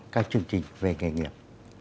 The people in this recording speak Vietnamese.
cái chương trình về nghề nghiệp